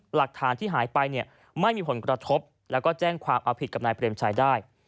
หลักฐานที่หายไปเนี่ยไม่มีผลกระทบแล้วก็แจ้งความเอาผิดกับนายเปรมชัยได้